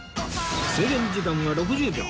制限時間は６０秒！